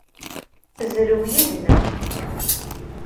Zrew yid-neɣ!